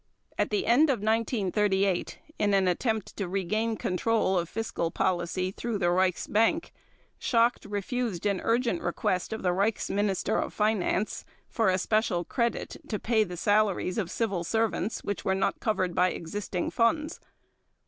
At the end of 1938, in an attempt to regain control of fiscal policy through the Reichsbank, Schacht refused an urgent request of the Reichsminister of Finance for a special credit to pay the salaries of civil servants which were not covered by existing funds.